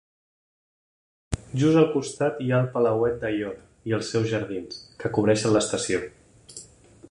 Just al costat hi ha el Palauet d'Aiora i els seus jardins, que cobreixen l'estació.